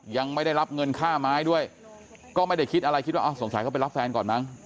ยังไม่ได้รับเงินค่าไม้ด้วยก็ไม่ได้คิดอะไรคิดว่าสงสัยเขาไปรับแฟนก่อนมั้ง